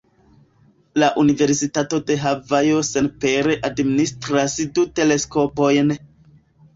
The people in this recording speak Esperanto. La Universitato de Havajo senpere administras du teleskopojn.